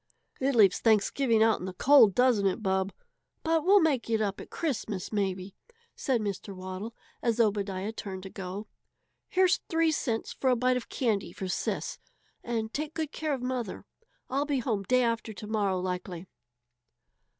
"It leaves Thanksgiving out in the cold, doesn't it, Bub? But we'll make it up at Christmas, maybe," said Mr. Waddle, as Obadiah turned to go. "Here's three cents for a bite of candy for Sis, and take good care of mother. I'll be home day after to morrow, likely."